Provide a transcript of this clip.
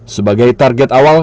sebagai target awal